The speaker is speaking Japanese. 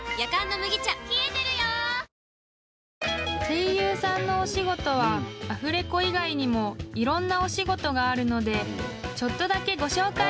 ［声優さんのお仕事はアフレコ以外にもいろんなお仕事があるのでちょっとだけご紹介］